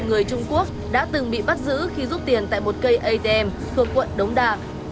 người trung quốc đã từng bị bắt giữ khi rút tiền tại một cây atm thuộc quận đống đa